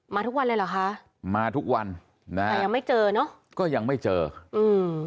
ทุกวันเลยเหรอคะมาทุกวันนะฮะแต่ยังไม่เจอเนอะก็ยังไม่เจออืม